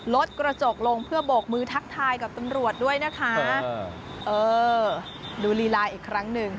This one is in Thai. รถกระจกลงเพื่อโบกมือทักทายกับตำรวจด้วยนะคะเออดูลีลาอีกครั้งหนึ่ง